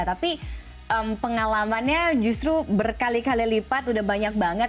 tapi pengalamannya justru berkali kali lipat udah banyak banget